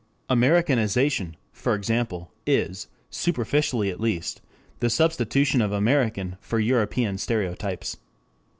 Americanization, for example, is superficially at least the substitution of American for European stereotypes.